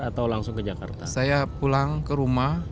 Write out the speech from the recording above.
atau langsung ke jakarta